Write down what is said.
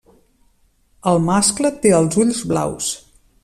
El mascle té els ulls blaus.